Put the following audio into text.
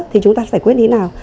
thì chúng ta sẽ quyết lý nào